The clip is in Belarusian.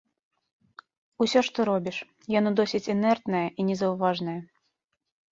Усё што робіш, яно досыць інэртнае і незаўважнае.